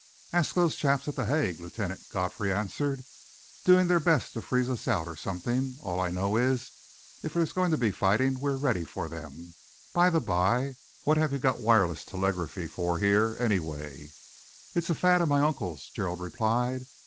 "Ask those chaps at The Hague," Lieutenant Godfrey answered. "Doing their best to freeze us out, or something. All I know is, if there's going to be fighting, we are ready for them. By the by, what have you got wireless telegraphy for here, anyway?" "It's a fad of my uncle's," Gerald replied.